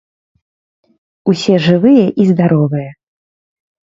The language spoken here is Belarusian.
Усе жывыя і здаровыя.